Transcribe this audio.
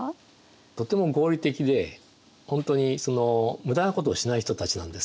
とても合理的で本当にその無駄なことをしない人たちなんですよ。